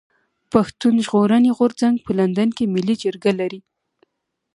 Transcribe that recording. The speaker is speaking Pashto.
پښتون ژغورني غورځنګ په لندن کي ملي جرګه لري.